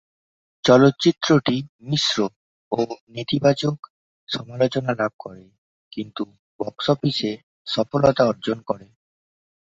চলচ্চিত্রটি মিশ্র ও নেতিবাচক সমালোচনা লাভ করে, কিন্তু বক্স অফিসে সফলতা অর্জন করে।